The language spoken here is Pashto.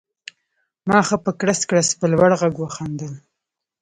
ما ښه په کړس کړس په لوړ غږ وخندل